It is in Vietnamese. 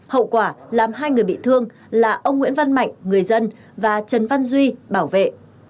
hậu quả làm hai người bị thương là ông nguyễn văn mạnh người dân và trần văn duy bảo vệ